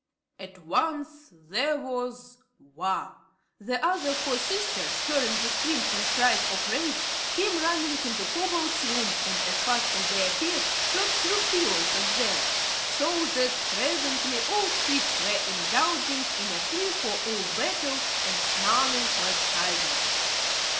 At once there was war. The other four Princesses, hearing the screams and cries of rage, came running into Cobalt's room and as fast as they appeared Trot threw pillows at them, so that presently all six were indulging in a free for all battle and snarling like tigers.